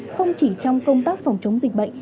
không chỉ trong công tác phòng chống dịch bệnh